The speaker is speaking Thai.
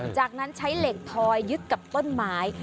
จากนั้นใช้เหล็กทอยยึดกับต้นไม้